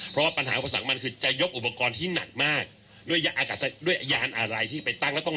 เพราะว่าปัญหาของภาษามันคือจะยกอุปกรณ์ที่หนักมากด้วยอากาศด้วยยานอะไรที่ไปตั้งแล้วต้อง